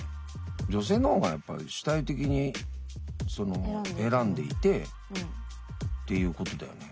女性の方がやっぱり主体的に選んでいてっていうことだよね。